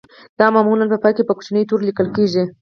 دا معمولاً په پای کې په کوچنیو تورو لیکل کیږي